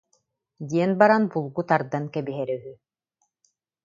диэн баран булгу тардан кэбиһэрэ үһү